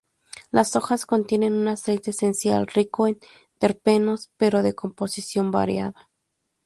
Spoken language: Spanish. Las hojas contienen un aceite esencial rico en terpenos pero de composición variada.